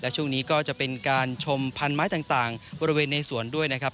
ช่วงนี้ก็จะเป็นการชมพันไม้ต่างบริเวณในสวนด้วยนะครับ